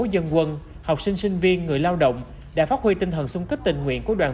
dân quân học sinh sinh viên người lao động đã phát huy tinh thần sung kích tình nguyện của đoàn